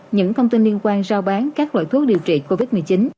những thông tin liên quan giao bán các loại thuốc điều trị covid một mươi chín